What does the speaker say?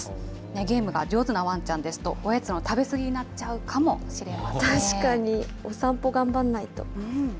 ゲームが上手なワンちゃんですと、おやつの食べ過ぎになっちゃうか確かに。